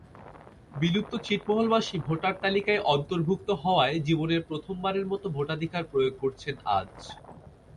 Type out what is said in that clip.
বিলুপ্ত ছিটমহলবাসী ভোটার তালিকায় অন্তর্ভুক্ত হওয়ায় জীবনে প্রথমবারের মতো ভোটাধিকার প্রয়োগ করছেন আজ।